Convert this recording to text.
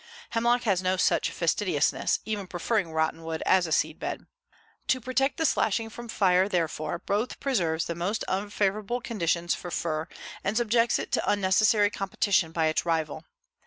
Hemlock has no such fastidiousness, even preferring rotten wood as a seedbed. To protect the slashing from fire, therefore, both preserves the most unfavorable conditions for fir and subjects it to unnecessary competition by its rival.